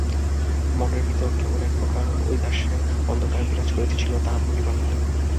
মনের ভিতর কেমন এক প্রকার ঔদাস্যের অন্ধকার বিরাজ করিতেছিল, তাহা বলিবার নহে।